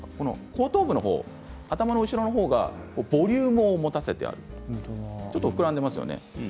後頭部の方、頭の後ろがボリュームを持たせてあるちょっと膨らんでいますよね。